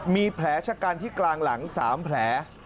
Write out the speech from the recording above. มีแผลชะกันที่กลางหลัง๓แผล